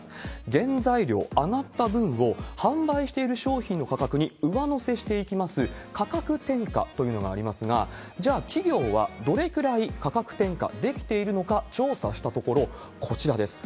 原材料、上がった分を販売している商品の価格に上乗せしていきます、価格転嫁というのがありますが、じゃあ企業はどれくらい価格転嫁できているのか、調査したところ、こちらです。